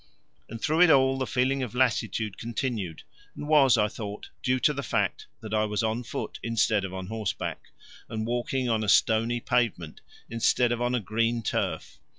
And through it all the feeling of lassitude continued, and was, I thought, due to the fact that I was on foot instead of on horseback, and walking on a stony pavement instead of on a green turf.